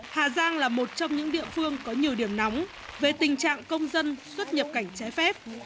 hà giang là một trong những địa phương có nhiều điểm nóng về tình trạng công dân xuất nhập cảnh trái phép